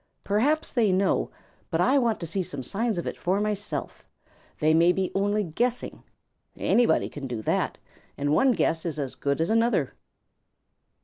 "Perhaps they know, but I want to see some signs of it for myself. They may be only guessing. Anybody can do that, and one guess is as good as another."